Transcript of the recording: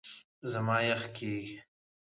زما یخ کېږي .